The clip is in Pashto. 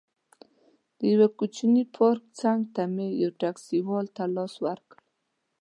د یوه کوچني پارک څنګ ته مې یو ټکسي والا ته لاس ورکړ.